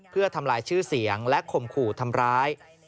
เพื่อทำลายชื่อเสียงและข่มขู่ทำร้าย